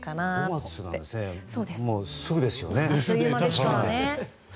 ５月ってすぐですよね。